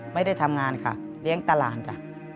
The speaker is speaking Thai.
ไม่ได้ทำงานค่ะเลี้ยงตลาดจ้ะ